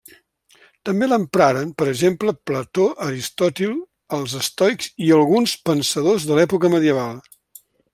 També l'empraren, per exemple, Plató, Aristòtil, els estoics i alguns pensadors de l'època medieval.